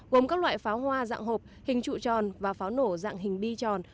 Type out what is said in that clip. gồm các loại pháo hoa dạng hộp hình trụ tròn và pháo nổ dạng hình bi tròn